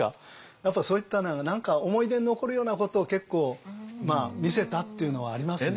やっぱりそういった何か思い出に残るようなことを結構見せたっていうのはありますね。